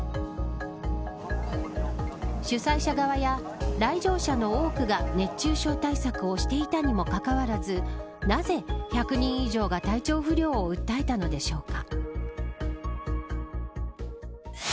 主催者側や来場者の多くが熱中症対策をしていたのにもかかわらずなぜ、１００人以上が体調不良を訴えたのでしょうか。